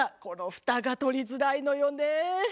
このフタが取りづらいのよね。